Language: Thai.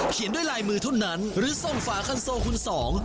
ด้วยลายมือเท่านั้นหรือส่งฝาคันโซคุณสอง